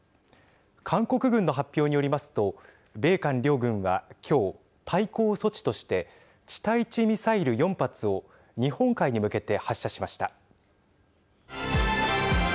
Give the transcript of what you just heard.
韓国軍の発表によりますと米韓両軍は今日対抗措置として地対地ミサイル４発を日本海に向けて発射しました。